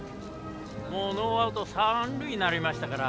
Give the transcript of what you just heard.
ノーアウト三塁になりましたから。